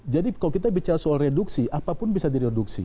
jadi kalau kita bicara soal reduksi apapun bisa direduksi